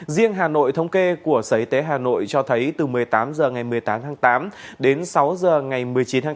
riêng hà nội thống kê của sở y tế hà nội cho thấy từ một mươi tám h ngày một mươi tám tháng tám đến sáu h ngày một mươi chín tháng tám